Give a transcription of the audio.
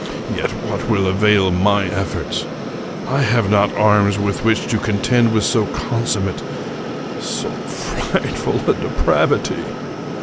Yet what will avail my efforts? I have not arms with which to contend with so consummate, so frightful a depravity.